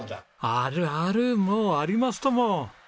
あるあるもうありますとも。